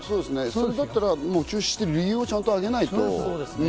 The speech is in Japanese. それだったら中止する理由をちゃんと挙げないと。